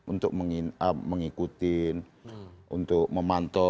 untuk mengikutin untuk memantau